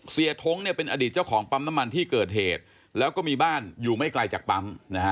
ท้งเนี่ยเป็นอดีตเจ้าของปั๊มน้ำมันที่เกิดเหตุแล้วก็มีบ้านอยู่ไม่ไกลจากปั๊มนะฮะ